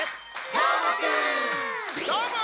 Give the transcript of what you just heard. どーも！